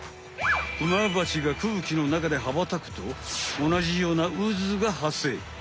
クマバチが空気の中ではばたくとおなじような渦が発生。